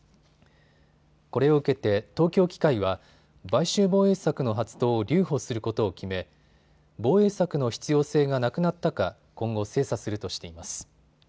これを受けて東京機械は買収防衛策の発動を留保することを決め防衛策の必要性がなくなったか今後、精査するとしています。